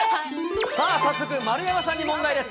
さあ早速、丸山さんに問題です。